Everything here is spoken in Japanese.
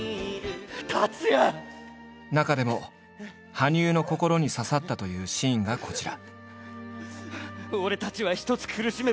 中でも羽生の心に刺さったというシーンがこちら。